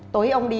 tối ông đi